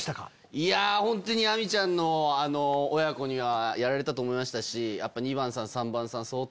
亜美ちゃんのあの親子にはやられたと思いましたしやっぱ２番さん３番さん相当。